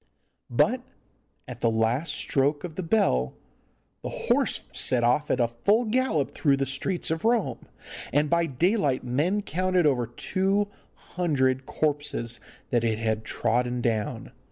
But at the last stroke of the bell the horse set off at full gallop through the streets of Rome, and by daylight men counted over two hundred corpses that it had trodden down.